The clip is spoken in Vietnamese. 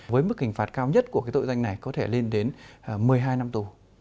với mức hình phạt cao nhất của cái tội danh này có thể lên đến một mươi hai năm tù